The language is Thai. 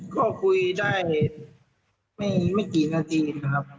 ก็คุยได้ไม่กี่นาทีนะครับ